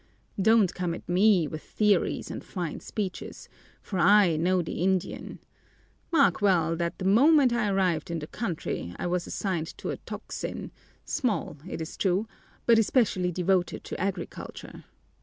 Don't come at me with theories and fine speeches, for I know the Indian. Mark well that the moment I arrived in the country I was assigned to a toxin, small it is true, but especially devoted to agriculture.